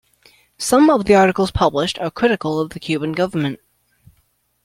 Some of the articles published are critical of the Cuban government.